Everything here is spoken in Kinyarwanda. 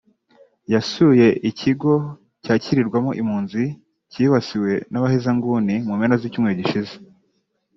yasuye ikigo cyakirirwamo impunzi cyibasiwe n’abahezanguni mu mpera z’icyumweru gishize